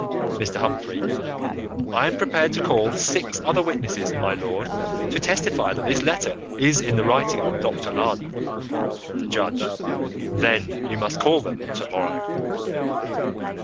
Mr. Humphrey: I am prepared to call six other witnesses, my lord, to testify that this letter is in the writing of Doctor Lana. The Judge: Then you must call them tomorrow.